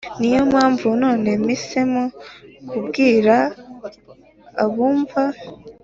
Niyo mpamvu none mpisemo kubwira abumva